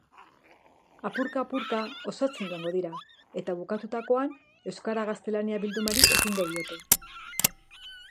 Apurka-apurka osatzen joango dira, eta bukatutakoan euskara-gaztelania bildumari ekingo diote.